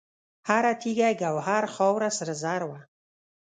هر تیږه یې ګوهر، خاوره سره زر وه